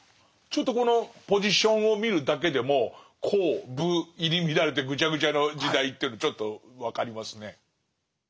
ちょっとこのポジションを見るだけでも公・武入り乱れてぐちゃぐちゃの時代っていうのちょっと分かりますね。